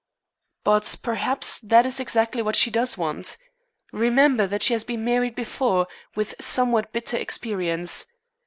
"But perhaps that is exactly what she does want. Remember that she has been married before, with somewhat bitter experience.